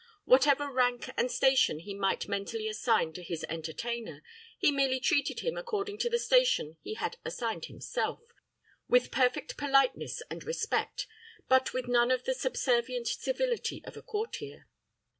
Whatever rank and station he might mentally assign to his entertainer, he merely treated him according to the station he had assigned himself, with perfect politeness and respect, but with none of the subservient civility of a courtier.